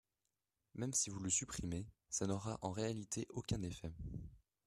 Même si vous le supprimez, cela n’aura en réalité aucun effet.